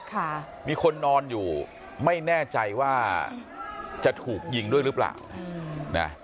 ค่ะมีคนนอนอยู่ไม่แน่ใจว่าจะถูกยิงด้วยหรือเปล่าอืมนะ